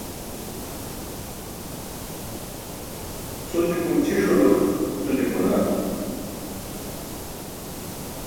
Sujukum ćʰisulo suju-punar.